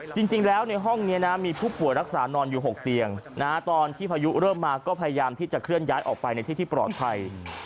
จริงแล้วในห้องนี้นะมีผู้ป่วยรักษานอนอยู่๖เตียงตอนที่พายุเริ่มมาก็พยายามที่จะเคลื่อนย้ายออกไปในที่ที่ปลอดภัย